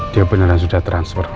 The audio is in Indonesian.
dia beneran sudah transfer